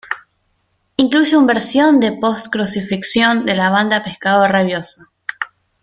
Incluye un versión de "Post Crucifixión", de la banda Pescado Rabioso.